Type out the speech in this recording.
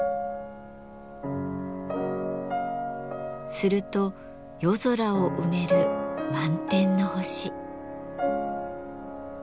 すると夜空を埋める満天の星。